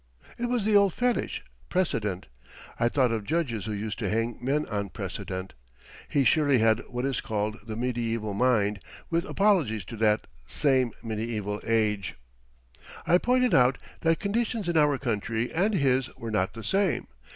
It was the old fetich precedent. I thought of judges who used to hang men on precedent. He surely had what is called the mediæval mind, with apologies to that same mediæval age. I pointed out that conditions in our country and his were not the same.